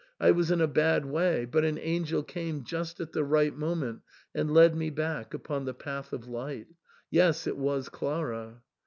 I was in a bad way, but an angel came just at the right moment and led me back upon the path of light. Yes, it was Clara."